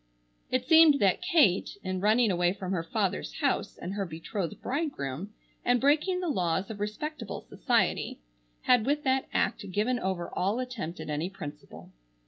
It seemed that Kate, in running away from her father's house and her betrothed bridegroom, and breaking the laws of respectable society, had with that act given over all attempt at any principle.